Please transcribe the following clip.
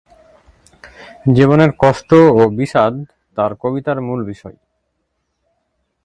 জীবনের কষ্ট ও বিষাদ তার কবিতার মূল বিষয়।